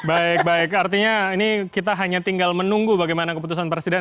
baik baik artinya ini kita hanya tinggal menunggu bagaimana keputusan presiden